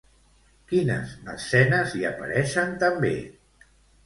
Quines escenes hi apareixen també?